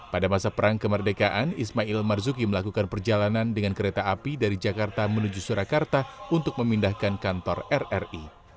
pada masa perang kemerdekaan ismail marzuki melakukan perjalanan dengan kereta api dari jakarta menuju surakarta untuk memindahkan kantor rri